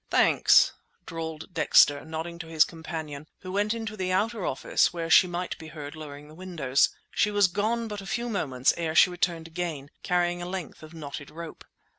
"Thanks," drawled Dexter, nodding to his companion, who went into the outer office, where she might be heard lowering the windows. She was gone but a few moments ere she returned again, carrying a length of knotted rope.